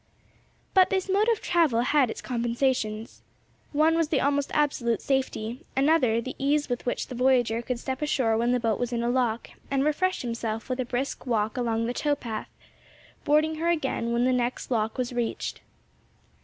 But this mode of travel had its compensations. One was the almost absolute safety; another the ease with which the voyager could step ashore when the boat was in a lock and refresh himself with a brisk walk along the tow path; boarding her again when the next lock was reached.